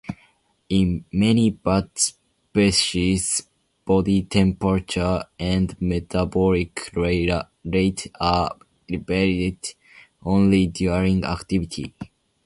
In many bat species, body temperature and metabolic rate are elevated only during activity.